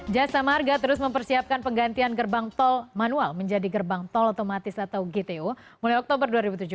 jasa marga terus mempersiapkan penggantian gerbang tol manual menjadi gerbang tol otomatis atau gto mulai oktober dua ribu tujuh belas